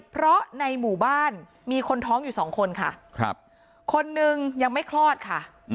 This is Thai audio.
เพราะในหมู่บ้านมีคนท้องอยู่สองคนค่ะคนนึงยังไม่คลอดค่ะ